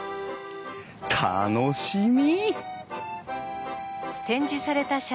楽しみ！